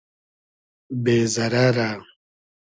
بې زئرئرۂ